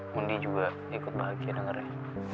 mundi juga ikut bahagia dengarnya